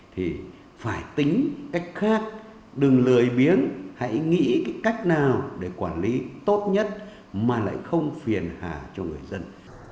thì phải tính cách khác đừng lười biếng hãy nghĩ cái cách nào để quản lý tốt nhất mà lại không phiền hà cho người dân